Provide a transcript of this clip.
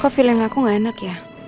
kok feeling aku ga enak ya